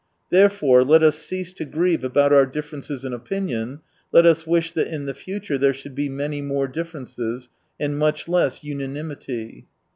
Therefore let us cease to grieve about our differences in opinion, let us wish that in the future there should be many more differences, and much less unanimity.